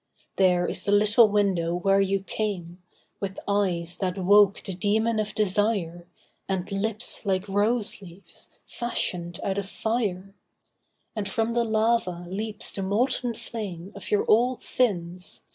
There is the little window where you came, With eyes that woke the demon of desire, And lips like rose leaves, fashioned out of fire; And from the lava leaps the molten flame Of your old sins.